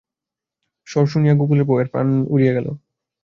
স্বর শুনিয়া গোকুলের বউ-এর প্রাণ উড়িয়া গেল।